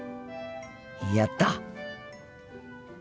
やった！